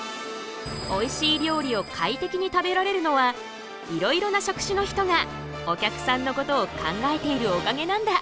おいしい料理を快適に食べられるのはいろいろな職種の人がお客さんのことを考えているおかげなんだ。